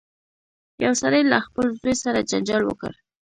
یو سړي له خپل زوی سره جنجال وکړ.